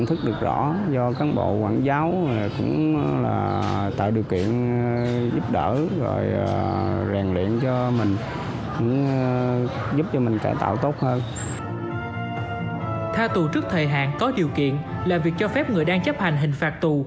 tha tù trước thời hạn có điều kiện là việc cho phép người đang chấp hành hình phạt tù